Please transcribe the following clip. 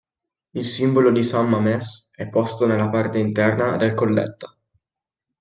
Il simbolo di San Mamés è posto nella parte interna del colletta.